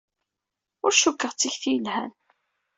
Ur cukkeɣ d tikti yelhan.